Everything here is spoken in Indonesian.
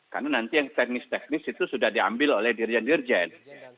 karena nanti yang teknis teknis itu sudah diambil oleh dirjen dirjen